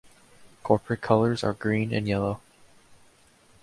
Corporate colors are green and yellow.